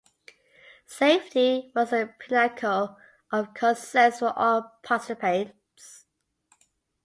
Safety was the pinnacle of concerns for all participants.